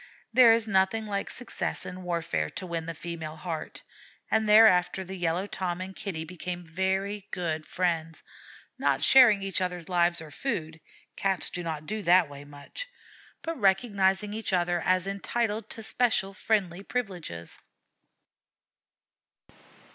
There is nothing like success in warfare to win the female heart, and thereafter the Yellow Tom and Kitty became very good friends, not sharing each other's lives or food, Cats do not do that way much, but recognizing each other as entitled to special friendly privileges.